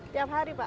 tiap hari pak